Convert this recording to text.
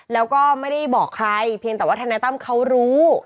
แล้วก็ไม่ได้บอกใครเพียงแต่ว่าทนายตั้มเขารู้